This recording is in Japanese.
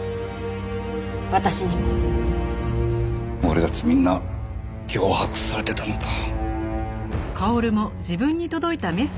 俺たちみんな脅迫されてたのか。